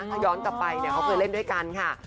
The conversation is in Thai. ถ้าย้อนกลับไปเนี่ยเขาเคยเล่นด้วยกันค่ะ